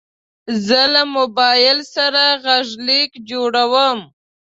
زه له موبایل سره غږیز لیک جوړوم.